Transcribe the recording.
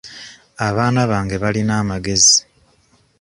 Abaana bange balina amagezi.